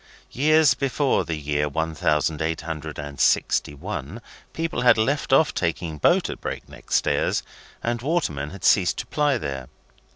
Years before the year one thousand eight hundred and sixty one, people had left off taking boat at Break Neck Stairs, and watermen had ceased to ply there.